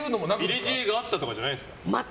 入れ知恵があったとかじゃないんですか。